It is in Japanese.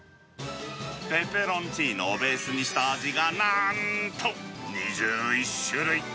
ペペロンチーノをベースにした味がなんと２１種類。